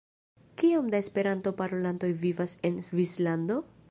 Kiom da esperanto-parolantoj vivas en Svislando?